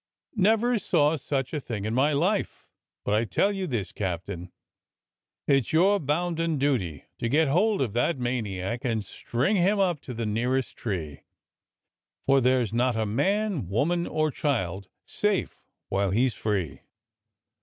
Never saw such a thing in my life, but I tell you this. Captain : it's your bounden duty to get hold of that maniac and string him up to the nearest tree, for there's not a man, woman, or child safe while he's free."